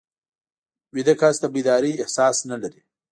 ویده کس د بیدارۍ احساس نه لري